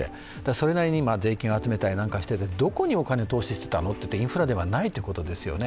それなりに税金を集めたりしててどこにお金を投資していたのか、インフラではないということですよね。